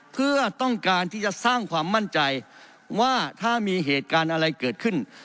เพื่อต้องการที่จะสร้างความมั่นใจว่าถ้ามีเหตุการณ์อะไรเกิดขึ้น